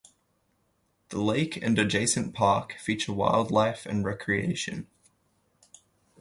The lake and adjacent park feature wildlife and recreation.